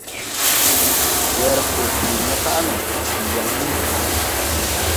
Wer koo kluu mo kaʼ no, bii yaŋ ni.